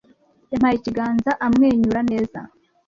Yampaye ikiganza, amwenyura neza.